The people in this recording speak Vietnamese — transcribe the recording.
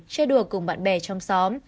chơi đùa cùng bạn bè trong xóm